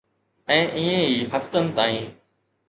۽ ائين ئي هفتن تائين